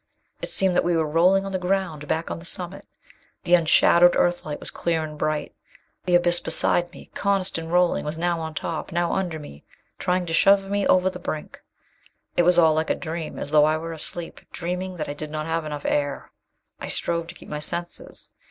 It seemed that we were rolling on the ground, back on the summit. The unshadowed Earthlight was clear and bright. The abyss was beside me. Coniston, rolling, was now on top, now under me, trying to shove me over the brink. It was all like a dream as though I were asleep, dreaming that I did not have enough air. I strove to keep my senses.